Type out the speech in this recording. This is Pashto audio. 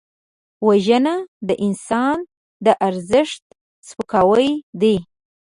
وژنه د انسان د ارزښت سپکاوی دی